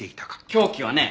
凶器はね